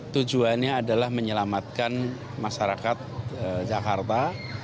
tujuannya adalah menyelamatkan masyarakat jakarta